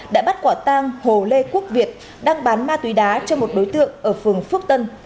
đã bắt quả tang hồ lê quốc việt đang bán ma túy đá cho một đối tượng ở phường phước tân